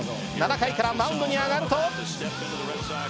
７回からマウンドに上がると。